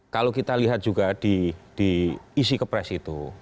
kalau kita lihat juga di isi kepres itu